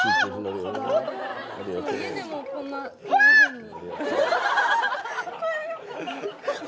・家でもこんなふうに。